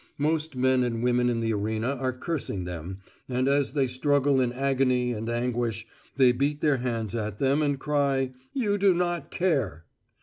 Most men and women in the arena are cursing them, and, as they struggle in agony and anguish, they beat their hands at them and cry "You do not care."